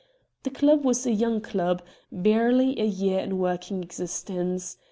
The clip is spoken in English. The club was a young club, barely a year in working existence.